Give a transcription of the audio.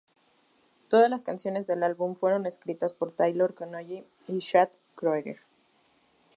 Todas las canciones del álbum fueron escritas por Tyler Connolly y Chad Kroeger.